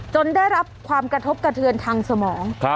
ได้รับความกระทบกระเทือนทางสมอง